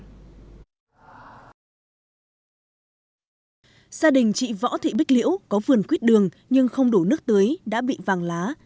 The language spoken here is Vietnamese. gia đình chị võ thị bích liễu có vườn quyết đường nhưng không đủ nước tưới đã bị vàng lá